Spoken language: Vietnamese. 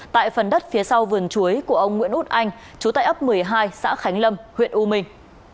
tại phần đất phía sau vườn chuối của ông nguyễn út anh chú tại ấp một mươi hai xã khánh lâm huyện u minh